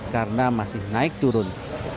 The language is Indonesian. karena masih naik turun